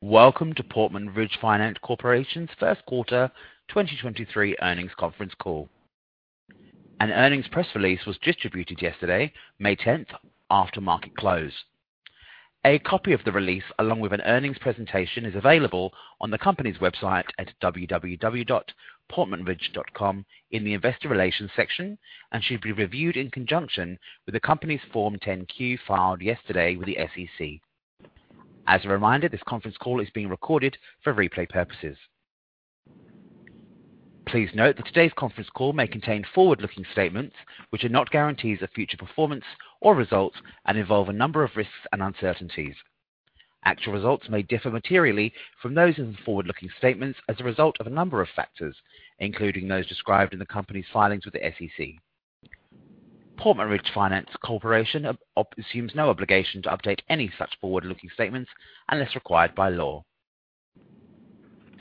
Welcome to Portman Ridge Finance Corporation's first quarter 2023 earnings conference call. An earnings press release was distributed yesterday, May 10th, after market close. A copy of the release, along with an earnings presentation, is available on the company's website at www.portmanridge.com in the Investor Relations section, and should be reviewed in conjunction with the company's Form 10-Q filed yesterday with the SEC. As a reminder, this conference call is being recorded for replay purposes. Please note that today's conference call may contain forward-looking statements, which are not guarantees of future performance or results and involve a number of risks and uncertainties. Actual results may differ materially from those in the forward-looking statements as a result of a number of factors, including those described in the company's filings with the SEC. Portman Ridge Finance Corporation assumes no obligation to update any such forward-looking statements unless required by law.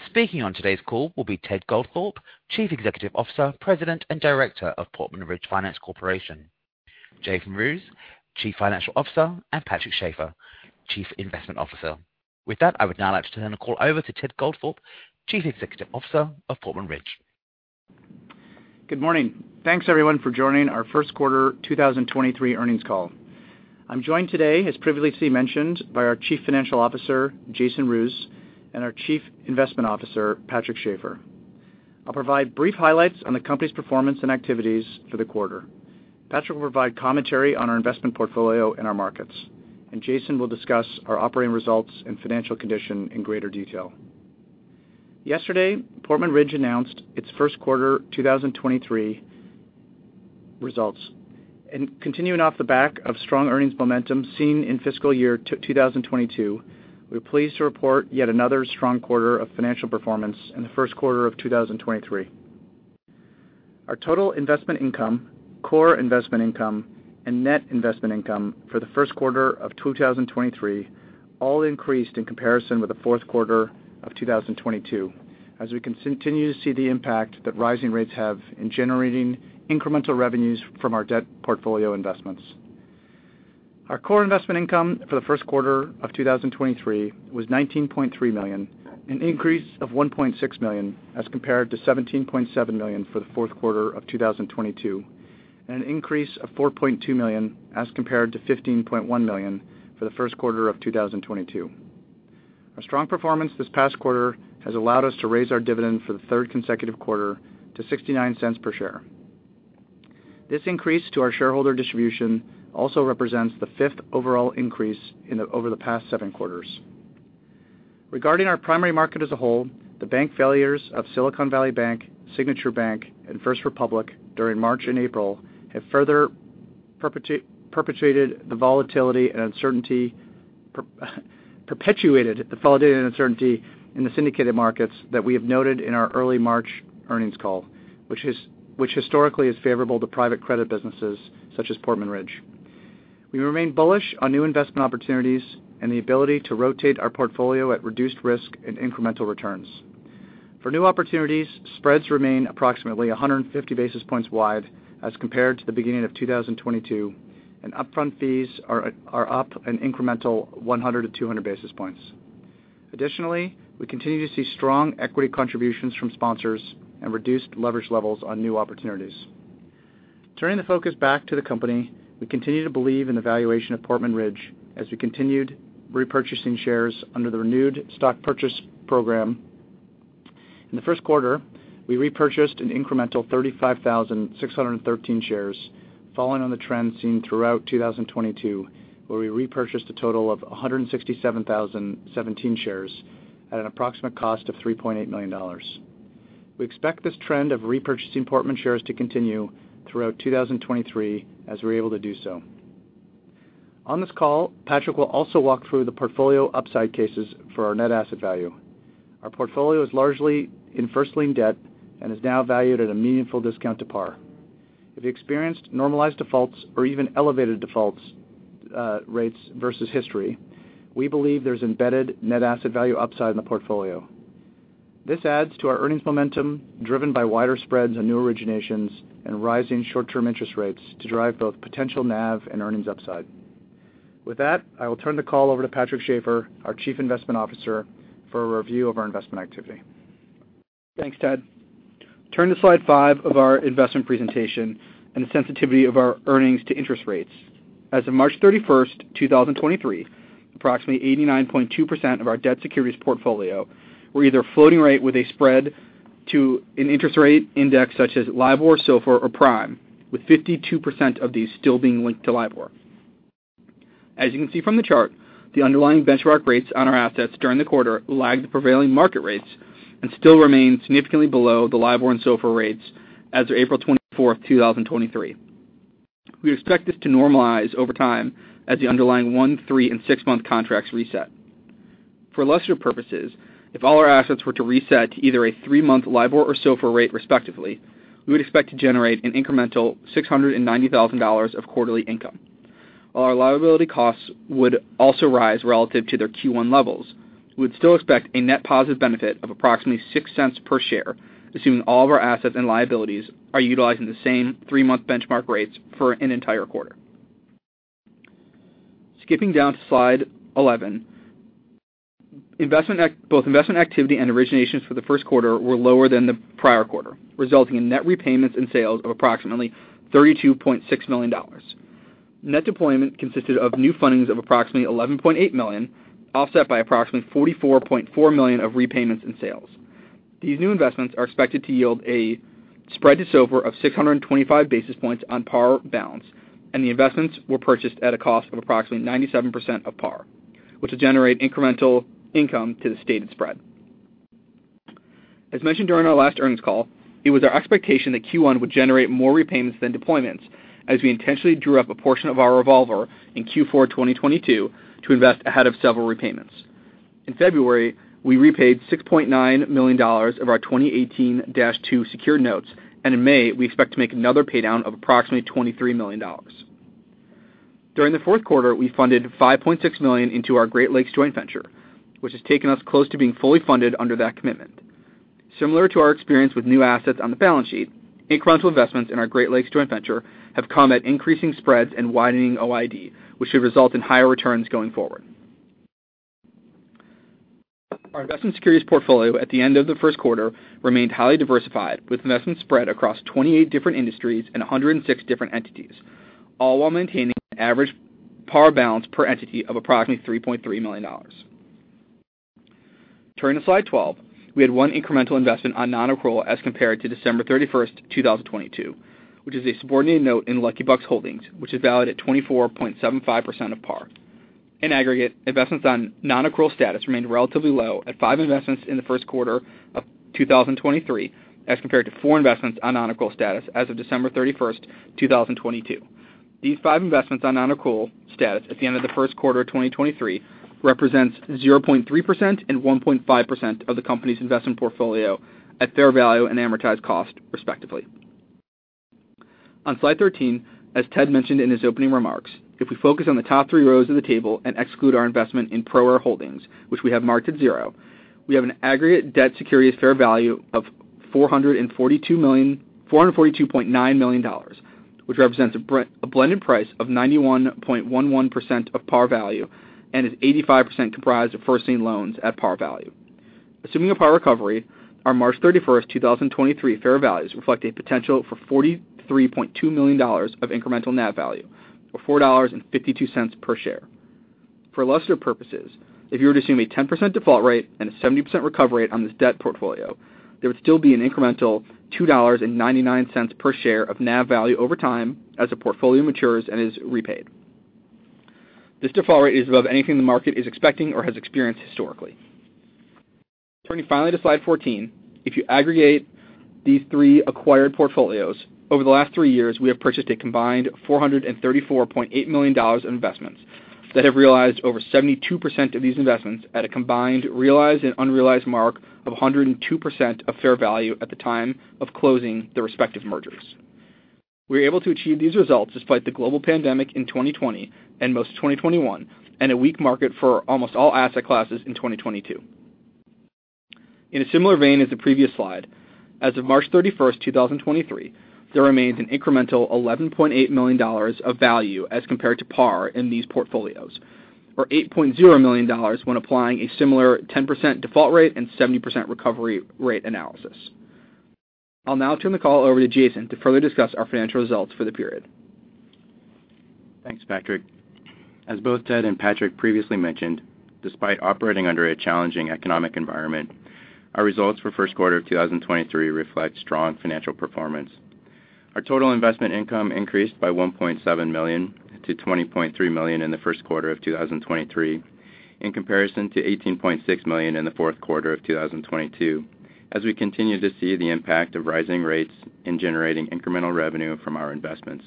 Speaking on today's call will be Ted Goldthorpe, Chief Executive Officer, President, and Director of Portman Ridge Finance Corporation, Jason Roos, Chief Financial Officer, and Patrick Schafer, Chief Investment Officer. With that, I would now like to turn the call over to Ted Goldthorpe, Chief Executive Officer of Portman Ridge. Good morning. Thanks, everyone, for joining our first quarter 2023 earnings call. I'm joined today, as previously mentioned, by our Chief Financial Officer, Jason Roos, and our Chief Investment Officer, Patrick Schafer. I'll provide brief highlights on the company's performance and activities for the quarter. Patrick will provide commentary on our investment portfolio and our markets, and Jason will discuss our operating results and financial condition in greater detail. Yesterday, Portman Ridge announced its first quarter 2023 results. In continuing off the back of strong earnings momentum seen in fiscal year 2022, we are pleased to report yet another strong quarter of financial performance in the first quarter of 2023. Our total investment income, core investment income, and net investment income for the first quarter of 2023 all increased in comparison with the fourth quarter of 2022, as we continue to see the impact that rising rates have in generating incremental revenues from our debt portfolio investments. Our core investment income for the first quarter of 2023 was $19.3 million, an increase of $1.6 million as compared to $17.7 million for the fourth quarter of 2022, and an increase of $4.2 million as compared to $15.1 million for the first quarter of 2022. Our strong performance this past quarter has allowed us to raise our dividend for the third consecutive quarter to $0.69 per share. This increase to our shareholder distribution also represents the fifth overall increase in the over the past seven quarters. Regarding our primary market as a whole, the bank failures of Silicon Valley Bank, Signature Bank, and First Republic during March and April have further perpetuated the volatility and uncertainty in the syndicated markets that we have noted in our early March earnings call, which historically is favorable to private credit businesses such as Portman Ridge. We remain bullish on new investment opportunities and the ability to rotate our portfolio at reduced risk and incremental returns. For new opportunities, spreads remain approximately 150 basis points wide as compared to the beginning of 2022, and upfront fees are up an incremental 100-200 basis points. Additionally, we continue to see strong equity contributions from sponsors and reduced leverage levels on new opportunities. Turning the focus back to the company, we continue to believe in the valuation of Portman Ridge as we continued repurchasing shares under the renewed stock purchase program. In the first quarter, we repurchased an incremental 35,613 shares, following on the trend seen throughout 2022, where we repurchased a total of 167,017 shares at an approximate cost of $3.8 million. We expect this trend of repurchasing Portman shares to continue throughout 2023 as we're able to do so. On this call, Patrick will also walk through the portfolio upside cases for our net asset value. Our portfolio is largely in first lien debt and is now valued at a meaningful discount to par. If we experienced normalized defaults or even elevated defaults, rates versus history, we believe there's embedded net asset value upside in the portfolio. This adds to our earnings momentum, driven by wider spreads on new originations and rising short-term interest rates to drive both potential NAV and earnings upside. With that, I will turn the call over to Patrick Schafer, our Chief Investment Officer, for a review of our investment activity. Thanks, Ted. Turn to slide five of our investment presentation and the sensitivity of our earnings to interest rates. As of March 31st, 2023, approximately 89.2% of our debt securities portfolio were either floating rate with a spread to an interest rate index such as LIBOR, SOFR, or Prime, with 52% of these still being linked to LIBOR. As you can see from the chart, the underlying benchmark rates on our assets during the quarter lagged the prevailing market rates and still remain significantly below the LIBOR and SOFR rates as of April 24th, 2023. We expect this to normalize over time as the underlying one, three, and six-month contracts reset. For illustrative purposes, if all our assets were to reset to either a three-month LIBOR or SOFR rate respectively, we would expect to generate an incremental $690,000 of quarterly income. While our liability costs would also rise relative to their Q1 levels, we would still expect a net positive benefit of approximately $0.06 per share, assuming all of our assets and liabilities are utilizing the same three-month benchmark rates for an entire quarter. Skipping down to slide 11. Both investment activity and originations for the first quarter were lower than the prior quarter, resulting in net repayments and sales of approximately $32.6 million. Net deployment consisted of new fundings of approximately $11.8 million, offset by approximately $44.4 million of repayments and sales. These new investments are expected to yield a spread to SOFR of 625 basis points on par balance. The investments were purchased at a cost of approximately 97% of par, which will generate incremental income to the stated spread. As mentioned during our last earnings call, it was our expectation that Q1 would generate more repayments than deployments as we intentionally drew up a portion of our revolver in Q4 2022 to invest ahead of several repayments. In February, we repaid $6.9 million of our 2018-2 secured notes. In May, we expect to make another paydown of approximately $23 million. During the fourth quarter, we funded $5.6 million into our Great Lakes joint venture, which has taken us close to being fully funded under that commitment. Similar to our experience with new assets on the balance sheet, incremental investments in our Great Lakes joint venture have come at increasing spreads and widening OID, which should result in higher returns going forward. Our Investment Securities portfolio at the end of the first quarter remained highly diversified, with investments spread across 28 different industries and 106 different entities, all while maintaining an average par balance per entity of approximately $3.3 million. Turning to slide 12. We had one incremental investment on non-accrual as compared to December 31st, 2022, which is a subordinated note in Lucky Bucks Holdings, which is valued at 24.75% of par. In aggregate, investments on non-accrual status remained relatively low at five investments in the first quarter of 2023, as compared to four investments on non-accrual status as of December 31st, 2022. These five investments on non-accrual status at the end of the first quarter of 2023 represents 0.3% and 1.5% of the company's investment portfolio at fair value and amortized cost, respectively. On slide 13, as Ted mentioned in his opening remarks, if we focus on the top three rows of the table and exclude our investment in ProAir Holdings, which we have marked at zero, we have an aggregate debt securities fair value of $442.9 million, which represents a blended price of 91.11% of par value and is 85% comprised of first lien loans at par value. Assuming a par recovery, our March 31st, 2023 fair values reflect a potential for $43.2 million of incremental net value or $4.52 per share. For illustrative purposes, if you were to assume a 10% default rate and a 70% recovery rate on this debt portfolio, there would still be an incremental $2.99 per share of NAV value over time as the portfolio matures and is repaid. This default rate is above anything the market is expecting or has experienced historically. Turning finally to slide 14. If you aggregate these three acquired portfolios, over the last three years, we have purchased a combined $434.8 million in investments that have realized over 72% of these investments at a combined realized and unrealized mark of 102% of fair value at the time of closing the respective mergers. We were able to achieve these results despite the global pandemic in 2020 and most of 2021, and a weak market for almost all asset classes in 2022. In a similar vein as the previous slide, as of March 31st, 2023, there remains an incremental $11.8 million of value as compared to par in these portfolios, or $8.0 million when applying a similar 10% default rate and 70% recovery rate analysis. I'll now turn the call over to Jason to further discuss our financial results for the period. Thanks, Patrick. As both Ted and Patrick previously mentioned, despite operating under a challenging economic environment, our results for first quarter of 2023 reflect strong financial performance. Our total investment income increased by $1.7 million to $20.3 million in the first quarter of 2023, in comparison to $18.6 million in the fourth quarter of 2022, as we continue to see the impact of rising rates in generating incremental revenue from our investments.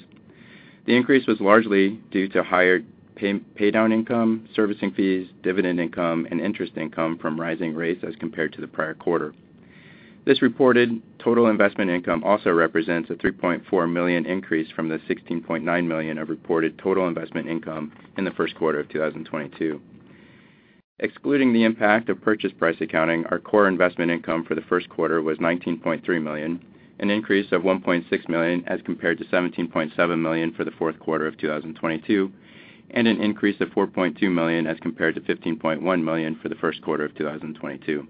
The increase was largely due to higher paydown income, servicing fees, dividend income, and interest income from rising rates as compared to the prior quarter. This reported total investment income also represents a $3.4 million increase from the $16.9 million of reported total investment income in the first quarter of 2022. Excluding the impact of purchase price accounting, our core investment income for the first quarter was $19.3 million, an increase of $1.6 million as compared to $17.7 million for the fourth quarter of 2022, and an increase of $4.2 million as compared to $15.1 million for the first quarter of 2022.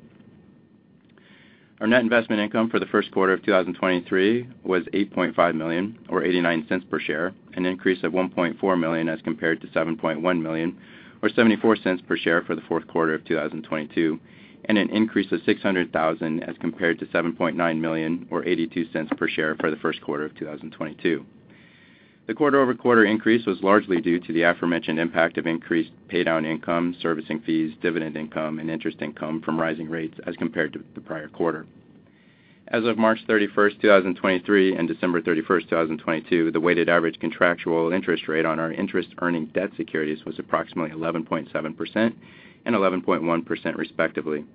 Our net investment income for the first quarter of 2023 was $8.5 million or $0.89 per share, an increase of $1.4 million as compared to $7.1 million or $0.74 per share for the fourth quarter of 2022, and an increase of $600,000 as compared to $7.9 million or $0.82 per share for the first quarter of 2022. The quarter-over-quarter increase was largely due to the aforementioned impact of increased paydown income, servicing fees, dividend income, and interest income from rising rates as compared to the prior quarter. As of March 31st, 2023 and December 31st, 2022, the weighted average contractual interest rate on our interest earning debt securities was approximately 11.7% and 11.1%, respectively.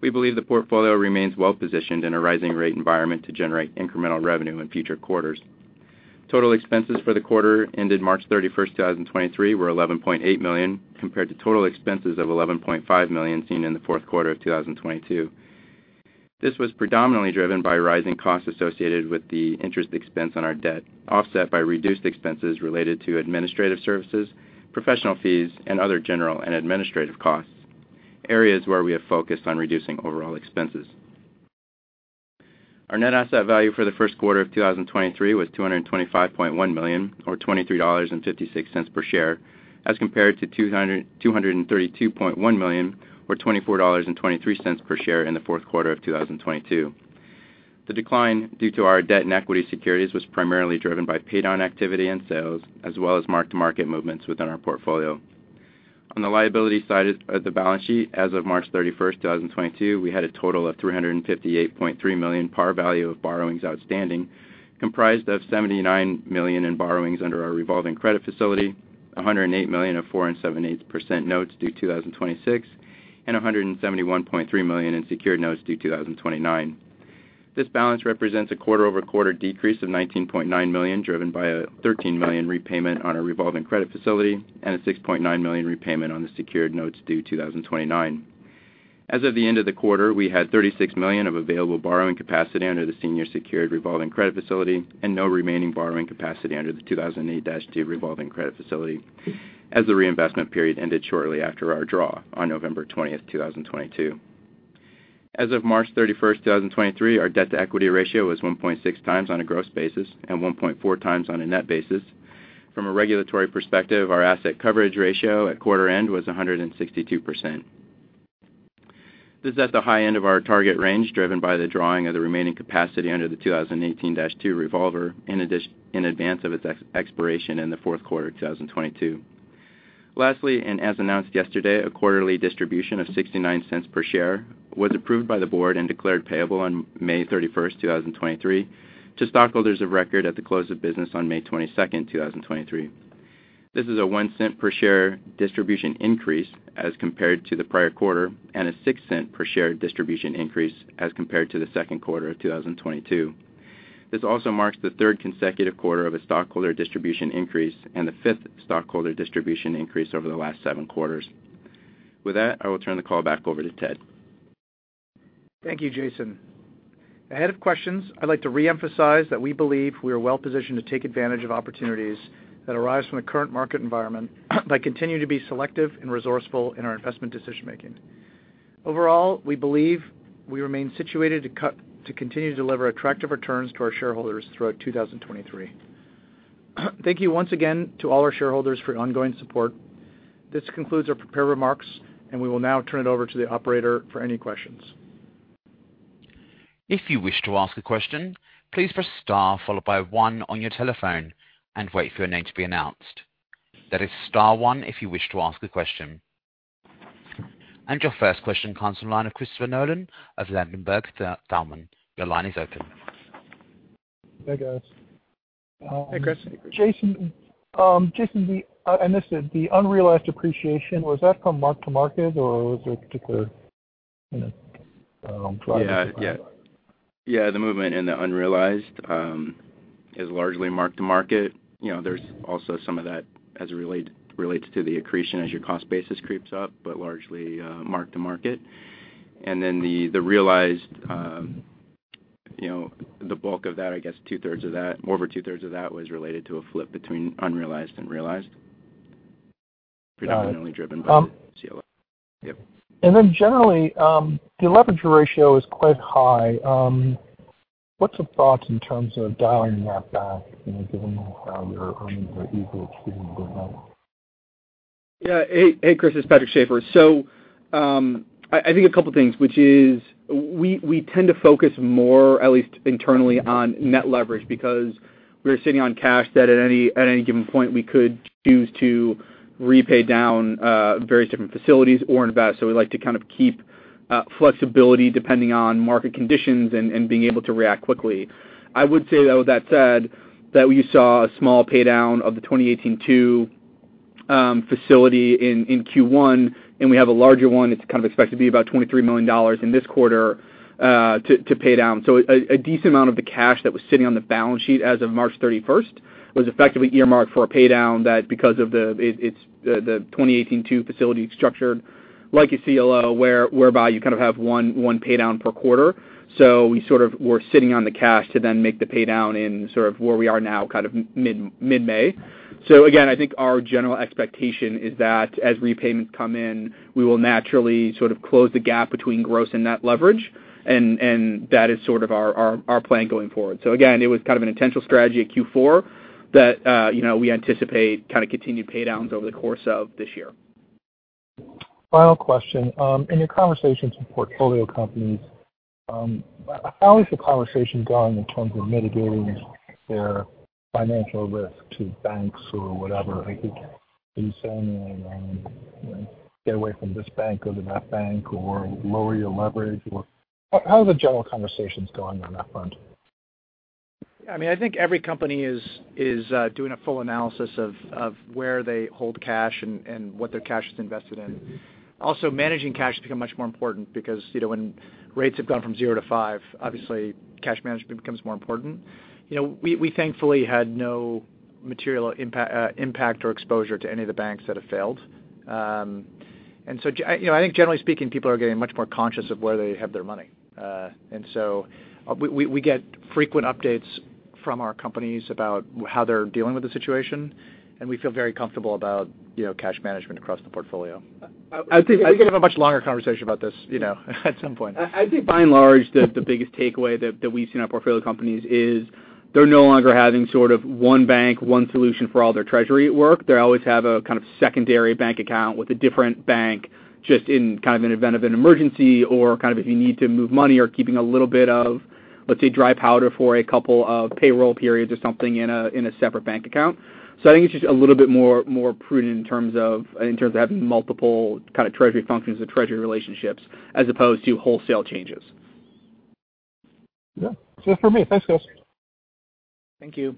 We believe the portfolio remains well positioned in a rising rate environment to generate incremental revenue in future quarters. Total expenses for the quarter ended March 31st, 2023 were $11.8 million, compared to total expenses of $11.5 million seen in the fourth quarter of 2022. This was predominantly driven by rising costs associated with the interest expense on our debt, offset by reduced expenses related to administrative services, professional fees, and other general and administrative costs, areas where we have focused on reducing overall expenses. Our net asset value for the first quarter of 2023 was $225.1 million, or $23.56 per share, as compared to $232.1 million, or $24.23 per share in the fourth quarter of 2022. The decline due to our debt and equity securities was primarily driven by paid down activity and sales, as well as mark-to-market movements within our portfolio. On the liability side of the balance sheet as of March 31st, 2022, we had a total of $358.3 million par value of borrowings outstanding, comprised of $79 million in borrowings under our revolving credit facility, $108 million of 4.875% Notes Due 2026, and $171.3 million in secured notes due 2029. This balance represents a quarter-over-quarter decrease of $19.9 million, driven by a $13 million repayment on our revolving credit facility and a $6.9 million repayment on the secured notes due 2029. As of the end of the quarter, we had $36 million of available borrowing capacity under the senior secured revolving credit facility and no remaining borrowing capacity under the 2018-2 revolving credit facility, as the reinvestment period ended shortly after our draw on November 20, 2022. As of March 31, 2023, our debt-to-equity ratio was 1.6x on a gross basis and 1.4 times on a net basis. From a regulatory perspective, our asset coverage ratio at quarter end was 162%. This is at the high end of our target range, driven by the drawing of the remaining capacity under the 2018-2 revolver in advance of its expiration in the fourth quarter of 2022. Lastly, as announced yesterday, a quarterly distribution of $0.69 per share was approved by the board and declared payable on May 31st, 2023, to stockholders of record at the close of business on May 22nd, 2023. This is a $0.01 per share distribution increase as compared to the prior quarter, and a $0.06 per share distribution increase as compared to the second quarter of 2022. This also marks the third consecutive quarter of a stockholder distribution increase and the fifth stockholder distribution increase over the last seven quarters. With that, I will turn the call back over to Ted. Thank you, Jason. Ahead of questions, I'd like to reemphasize that we believe we are well-positioned to take advantage of opportunities that arise from the current market environment by continuing to be selective and resourceful in our investment decision-making. Overall, we believe we remain situated to continue to deliver attractive returns to our shareholders throughout 2023. Thank you once again to all our shareholders for your ongoing support. This concludes our prepared remarks, and we will now turn it over to the operator for any questions. If you wish to ask a question, please press Star followed by One on your telephone and wait for your name to be announced. That is Star One if you wish to ask a question. Your first question comes from the line of Christopher Nolan of Ladenburg Thalmann. Your line is open. Hey, guys. Hey, Chris. Jason, I missed it. The unrealized appreciation, was that from mark-to-market or was there a particular, you know, driver? Yeah. Yeah. Yeah, the movement in the unrealized is largely mark to market. You know, there's also some of that as it relates to the accretion as your cost basis creeps up, but largely mark to market. The realized, you know, the bulk of that, over 2/3 of that was related to a flip between unrealized and realized. Predominantly driven by the CLO. Yep. Generally, the leverage ratio is quite high. What's your thoughts in terms of dialing that back, you know, given how your earnings are eager to go up? Yeah. Hey, Chris. It's Patrick Schafer. I think a couple things, which is we tend to focus more, at least internally, on net leverage because we're sitting on cash debt at any given point we could choose to repay down various different facilities or invest. We like to kind of keep flexibility depending on market conditions and being able to react quickly. I would say, though, that said that you saw a small pay down of the 2018-2 revolving credit facility in Q1, and we have a larger one. It's kind of expected to be about $23 million in this quarter to pay down. A decent amount of the cash that was sitting on the balance sheet as of March 31st was effectively earmarked for a pay down that because of the... it's the 2018-2 facility structured like a CLO, whereby you kind of have one pay down per quarter. We sort of were sitting on the cash to then make the pay down in sort of where we are now, kind of mid-May. Again, I think our general expectation is that as repayments come in, we will naturally sort of close the gap between gross and net leverage. That is sort of our plan going forward. Again, it was kind of an intentional strategy at Q4 that, you know, we anticipate kind of continued pay downs over the course of this year. Final question. In your conversations with portfolio companies, how is the conversation going in terms of mitigating their financial risk to banks or whatever? I think are you saying, you know, get away from this bank, go to that bank, or lower your leverage? How are the general conversations going on that front? I mean, I think every company is doing a full analysis of where they hold cash and what their cash is invested in. Also, managing cash has become much more important because, you know, when rates have gone from zero to five, obviously cash management becomes more important. You know, we thankfully had no material impact impact or exposure to any of the banks that have failed. You know, I think generally speaking, people are getting much more conscious of where they have their money. We get frequent updates from our companies about how they're dealing with the situation, and we feel very comfortable about, you know, cash management across the portfolio. I think we can have a much longer conversation about this, you know, at some point. I think by and large, the biggest takeaway that we've seen our portfolio companies is they're no longer having sort of one bank, one solution for all their treasury work. They always have a secondary bank account with a different bank just in event of an emergency or if you need to move money or keeping a little bit of, let's say, dry powder for a couple of payroll periods or something in a separate bank account. I think it's just a little bit more prudent in terms of having multiple treasury functions or treasury relationships as opposed to wholesale changes. Yeah. That's it for me. Thanks, guys. Thank you.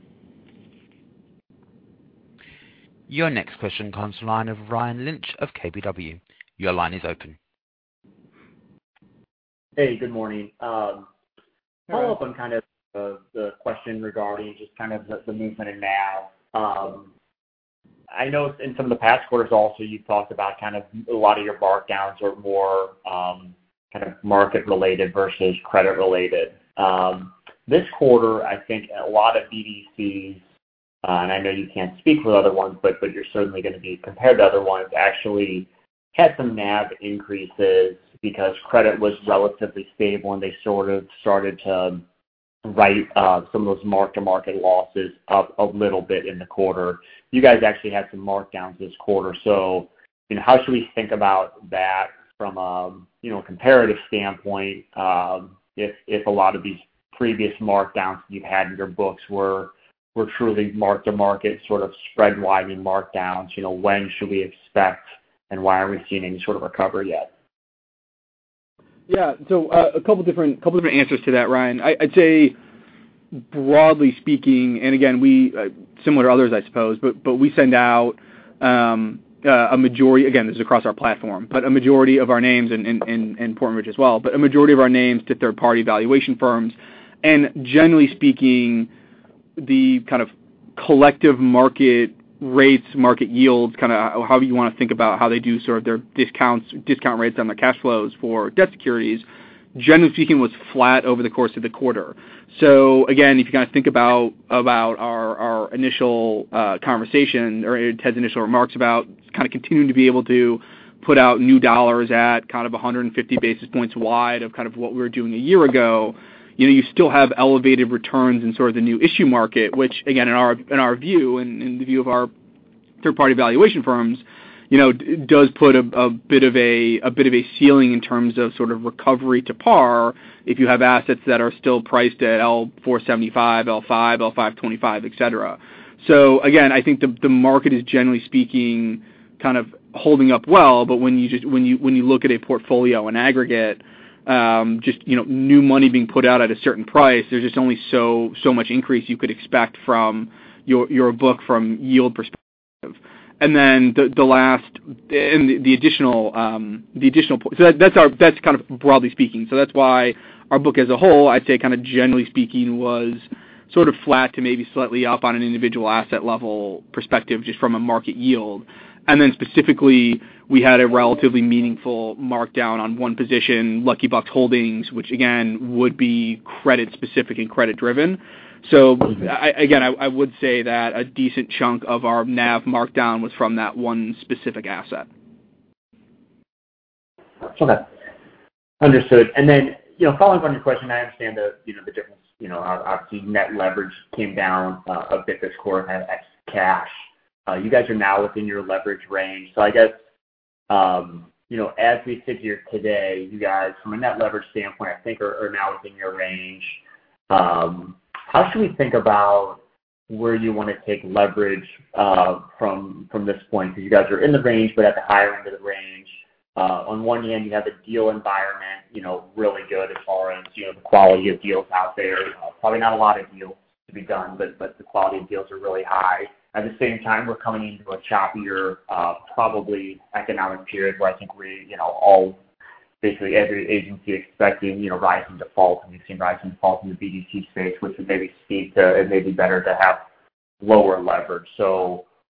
Your next question comes to line of Ryan Lynch of KBW. Your line is open. Hey, good morning. A follow-up on kind of the question regarding just kind of the movement in NAV. I know in some of the past quarters also, you've talked about kind of a lot of your markdowns are more kind of market related versus credit related. This quarter, I think a lot of BDCs, and I know you can't speak for the other ones, but you're certainly gonna be compared to other ones, actually had some NAV increases because credit was relatively stable and they sort of started to write some of those mark-to-market losses up a little bit in the quarter. You guys actually had some markdowns this quarter. You know, how should we think about that from a, you know, comparative standpoint, if a lot of these previous markdowns you've had in your books were truly mark-to-market sort of spread widening markdowns? When should we expect and why aren't we seeing any sort of recovery yet? Yeah. A couple different answers to that, Ryan. I'd say broadly speaking, again, we similar to others I suppose, but we send out a majority of our names. Again, this is across our platform, but a majority of our names and Portman Ridge as well to third-party valuation firms. Generally speaking, the kind of collective market rates, market yields, kind of however you wanna think about how they do sort of their discounts, discount rates on the cash flows for debt securities, generally speaking was flat over the course of the quarter. Again, if you kind of think about our initial conversation or Ted's initial remarks about kinda continuing to be able to put out new dollars at kind of 150 basis points wide of kind of what we were doing a year ago, you know, you still have elevated returns in sort of the new issue market, which again, in our view and in the view of our third-party valuation firms, you know, does put a bit of a ceiling in terms of sort of recovery to par if you have assets that are still priced at L475, L5, L525, et cetera. Again, I think the market is generally speaking kind of holding up well, but when you, when you look at a portfolio in aggregate, just, you know, new money being put out at a certain price, there's just only so much increase you could expect from your book from yield perspective. That's kind of broadly speaking. That's why our book as a whole, I'd say kind of generally speaking, was sort of flat to maybe slightly up on an individual asset level perspective just from a market yield. Specifically, we had a relatively meaningful markdown on one position, Lucky Bucks Holdings, which again would be credit specific and credit driven. again, I would say that a decent chunk of our NAV markdown was from that one specific asset. Okay. Understood. You know, following up on your question, I understand the, you know, the difference, you know, obviously net leverage came down a bit this quarter ex cash. You guys are now within your leverage range. You know, as we sit here today, you guys from a net leverage standpoint I think are now within your range. How should we think about where you wanna take leverage from this point? You guys are in the range but at the higher end of the range. On one hand you have the deal environment, you know, really good as far as, you know, the quality of deals out there. Probably not a lot of deals to be done, but the quality of deals are really high. At the same time, we're coming into a choppier, probably economic period where I think we're, you know, all basically every agency expecting, you know, rise in defaults and we've seen rise in defaults in the BDC space which would maybe speak to it may be better to have lower leverage.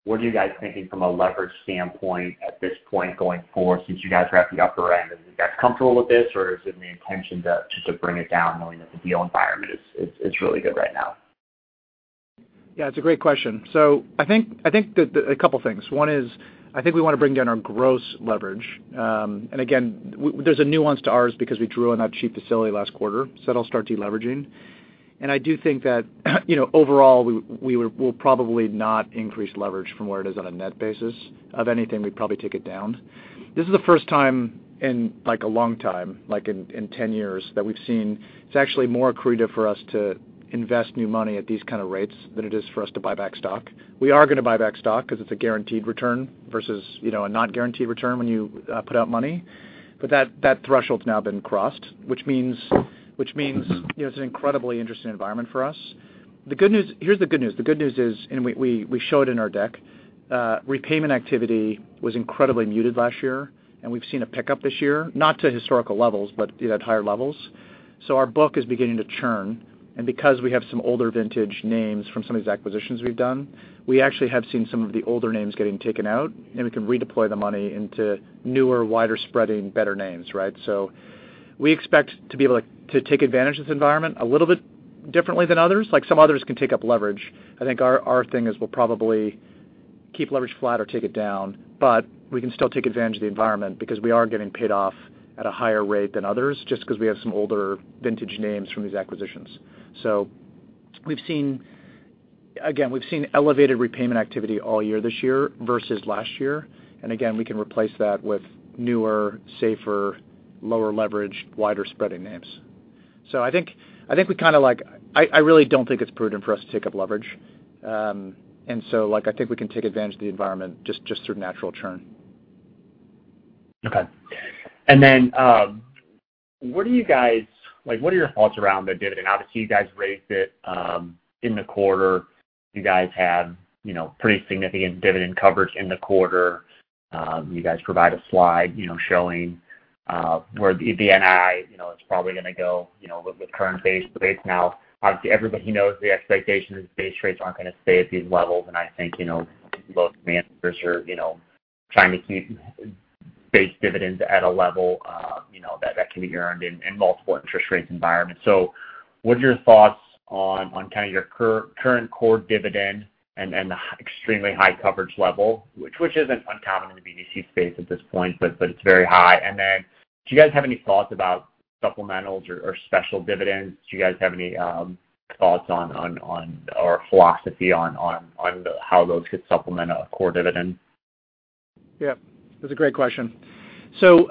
What are you guys thinking from a leverage standpoint at this point going forward since you guys are at the upper end? Are you guys comfortable with this or is it the intention just to bring it down knowing that the deal environment is really good right now? Yeah, it's a great question. I think, I think. A couple things. One is I think we wanna bring down our gross leverage. Again, there's a nuance to ours because we drew on that cheap facility last quarter, so that'll start deleveraging. I do think that, you know, overall we will, we'll probably not increase leverage from where it is on a net basis. Of anything, we'd probably take it down. This is the first time in like a long time, in 10 years, that we've seen it's actually more accretive for us to invest new money at these kind of rates than it is for us to buy back stock. We are gonna buy back stock because it's a guaranteed return versus, you know, a not guaranteed return when you put out money. That threshold's now been crossed which means, you know, it's an incredibly interesting environment for us. The good news. Here's the good news. The good news is, and we show it in our deck, repayment activity was incredibly muted last year, and we've seen a pickup this year, not to historical levels, but, you know, at higher levels. Our book is beginning to churn, and because we have some older vintage names from some of these acquisitions we've done, we actually have seen some of the older names getting taken out, and we can redeploy the money into newer, wider spreading better names, right? We expect to be able to take advantage of this environment a little bit differently than others. Like, some others can take up leverage. I think our thing is we'll probably keep leverage flat or take it down, we can still take advantage of the environment because we are getting paid off at a higher rate than others just 'cause we have some older vintage names from these acquisitions. Again, we've seen elevated repayment activity all year this year versus last year. Again, we can replace that with newer, safer, lower leverage, wider spreading names. I think we kind of like. I really don't think it's prudent for us to take up leverage. like, I think we can take advantage of the environment just through natural churn. Okay. What are your thoughts around the dividend? Obviously, you guys raised it in the quarter. You guys had, you know, pretty significant dividend coverage in the quarter. You guys provide a slide, you know, showing where the NI, you know, is probably gonna go, you know, with the current base. Obviously, everybody knows the expectation that base rates aren't gonna stay at these levels. I think, you know, most managers are, you know, trying to keep base dividends at a level, you know, that can be earned in multiple interest rates environments. What are your thoughts on kind of your current core dividend and the extremely high coverage level, which isn't uncommon in the BDC space at this point, but it's very high. Do you guys have any thoughts about supplementals or special dividends? Do you guys have any thoughts on or philosophy on how those could supplement a core dividend? Yeah. That's a great question.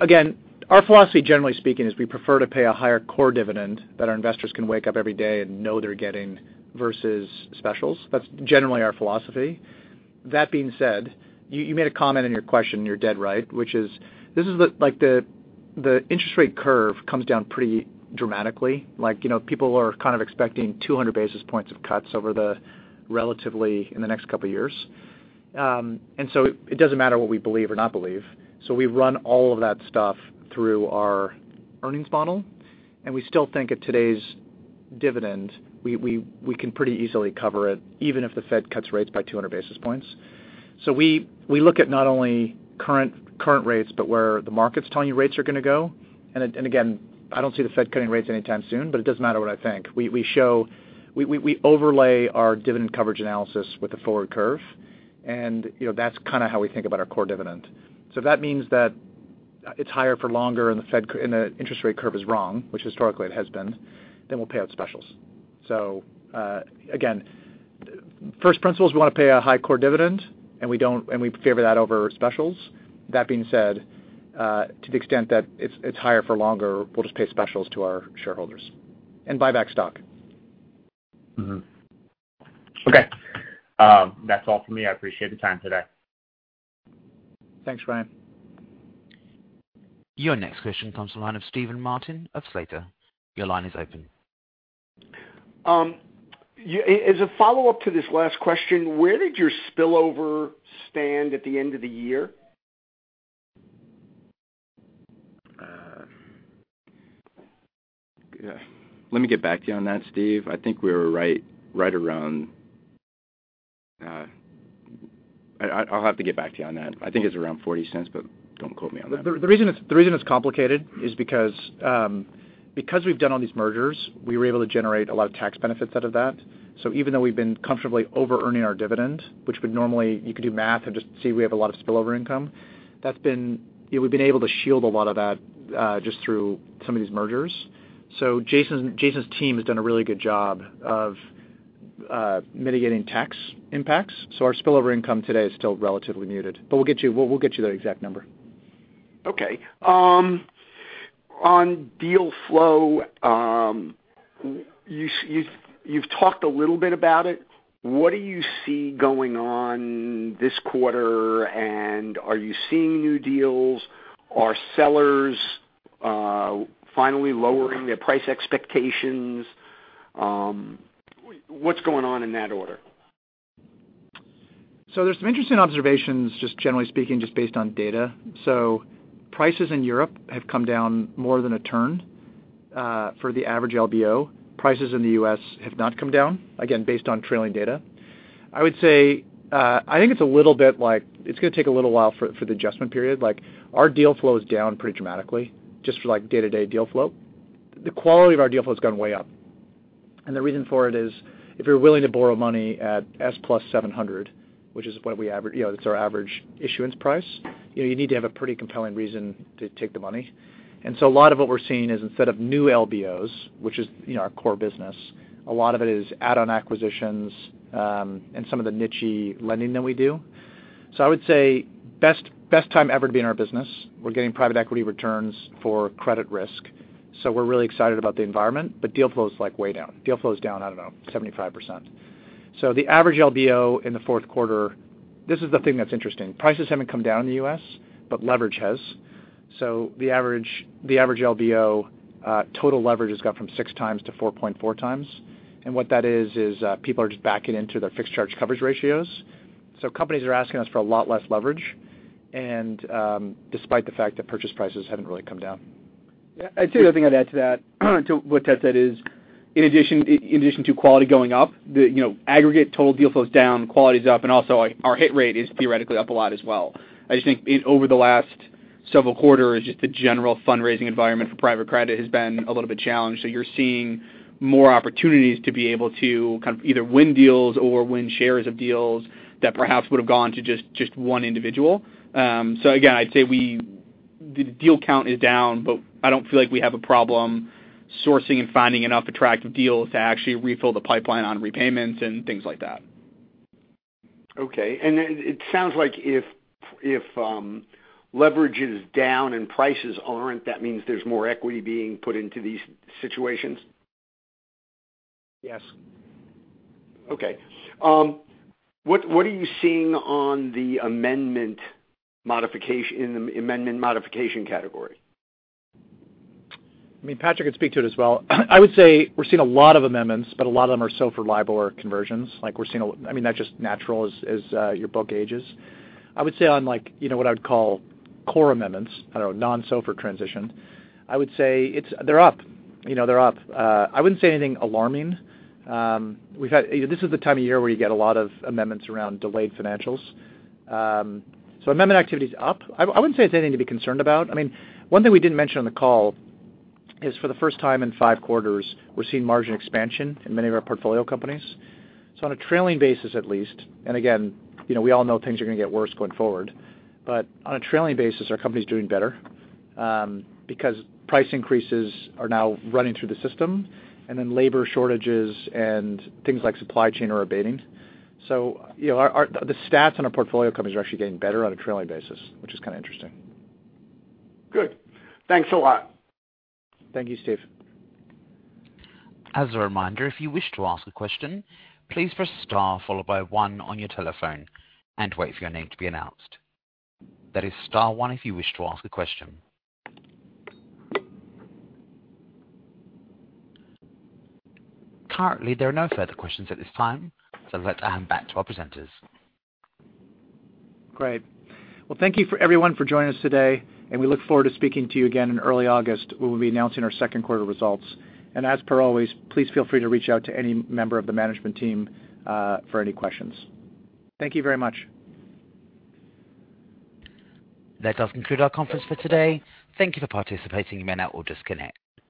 Again, our philosophy, generally speaking, is we prefer to pay a higher core dividend that our investors can wake up every day and know they're getting versus specials. That's generally our philosophy. That being said, you made a comment in your question, and you're dead right, which is Like, the interest rate curve comes down pretty dramatically. Like, you know, people are kind of expecting 200 basis points of cuts over the relatively in the next couple of years. It doesn't matter what we believe or not believe. We run all of that stuff through our earnings model, and we still think at today's dividend, we can pretty easily cover it even if the Fed cuts rates by 200 basis points. We look at not only current rates, but where the market's telling you rates are gonna go. Again, I don't see the Fed cutting rates anytime soon, but it doesn't matter what I think. We overlay our dividend coverage analysis with the forward curve, and, you know, that's kind of how we think about our core dividend. If that means that it's higher for longer and the interest rate curve is wrong, which historically it has been, then we'll pay out specials. Again, first principle is we wanna pay a high core dividend, and we favor that over specials. That being said, to the extent that it's higher for longer, we'll just pay specials to our shareholders and buy back stock. Okay. That's all for me. I appreciate the time today. Thanks, Ryan. Your next question comes from the line of Steven Martin of Slater. Your line is open. As a follow-up to this last question, where did your spillover stand at the end of the year? let me get back to you on that, Steve. I think we were right around. I'll have to get back to you on that. I think it's around $0.40, but don't quote me on that. The reason it's complicated is because we've done all these mergers, we were able to generate a lot of tax benefits out of that. Even though we've been comfortably overearning our dividend, which would normally you could do math and just see we have a lot of spillover income, that's been... You know, we've been able to shield a lot of that just through some of these mergers. Jason's team has done a really good job of mitigating tax impacts. Our spillover income today is still relatively muted, but we'll get you that exact number. Okay. On deal flow, you've talked a little bit about it. What do you see going on this quarter? Are you seeing new deals? Are sellers finally lowering their price expectations? What's going on in that order? There's some interesting observations, just generally speaking, just based on data. Prices in Europe have come down more than a turn for the average LBO. Prices in the U.S. have not come down, again, based on trailing data. I would say, I think it's a little bit like it's gonna take a little while for the adjustment period. Like, our deal flow is down pretty dramatically just for, like, day-to-day deal flow. The quality of our deal flow has gone way up. The reason for it is if you're willing to borrow money at S + 700, which is what we, you know, that's our average issuance price, you know, you need to have a pretty compelling reason to take the money. A lot of what we're seeing is instead of new LBOs, which is, you know, our core business, a lot of it is add-on acquisitions, and some of the niche-y lending that we do. I would say best time ever to be in our business. We're getting private equity returns for credit risk, so we're really excited about the environment. Deal flow is, like, way down. Deal flow is down, I don't know, 75%. The average LBO in the fourth quarter. This is the thing that's interesting. Prices haven't come down in the U.S., but leverage has. The average LBO total leverage has gone from 6x to 4.4x. What that is is, people are just backing into their fixed charge coverage ratio. Companies are asking us for a lot less leverage and, despite the fact that purchase prices haven't really come down. Yeah. I'd say the other thing I'd add to that, to what Ted said is in addition to quality going up, the, you know, aggregate total deal flow is down, quality is up, and also our hit rate is theoretically up a lot as well. I just think over the last several quarters, just the general fundraising environment for private credit has been a little bit challenged. You're seeing more opportunities to be able to kind of either win deals or win shares of deals that perhaps would have gone to just one individual. Again, I'd say we the deal count is down, but I don't feel like we have a problem sourcing and finding enough attractive deals to actually refill the pipeline on repayments and things like that. Okay. it sounds like if leverage is down and prices aren't, that means there's more equity being put into these situations. Yes. Okay. What are you seeing on the amendment in the amendment modification category? I mean, Patrick could speak to it as well. I would say we're seeing a lot of amendments, but a lot of them are SOFR liable or conversions. Like, I mean, that's just natural as your book ages. I would say on, like, you know, what I would call core amendments, I don't know, non-SOFR transition, I would say they're up. You know, they're up. I wouldn't say anything alarming. This is the time of year where you get a lot of amendments around delayed financials. Amendment activity is up. I wouldn't say it's anything to be concerned about. I mean, one thing we didn't mention on the call is for the first time in five quarters, we're seeing margin expansion in many of our portfolio companies. On a trailing basis at least, and again, you know, we all know things are gonna get worse going forward, but on a trailing basis, our company is doing better because price increases are now running through the system, and then labor shortages and things like supply chain are abating. You know, the stats on our portfolio companies are actually getting better on a trailing basis, which is kind of interesting. Good. Thanks a lot. Thank you, Steve. As a reminder, if you wish to ask a question, please press Star followed by One on your telephone and wait for your name to be announced. That is Star One if you wish to ask a question. Currently, there are no further questions at this time, I'd like to hand back to our presenters. Great. Well, thank you for everyone for joining us today, we look forward to speaking to you again in early August when we'll be announcing our second quarter results. As per always, please feel free to reach out to any member of the management team for any questions. Thank you very much. That does conclude our conference for today. Thank you for participating. You may now all disconnect.